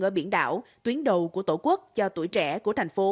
ở biển đảo tuyến đầu của tổ quốc cho tuổi trẻ của thành phố